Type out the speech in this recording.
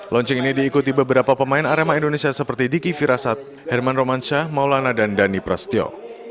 launching ini diikuti beberapa pemain arema indonesia seperti diki firasat herman romansyah maulana dan dhani prasetyo